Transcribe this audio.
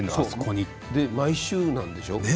毎週なんでしょう？